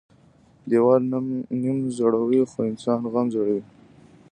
ديوال نم زړوى خو انسان غم زړوى.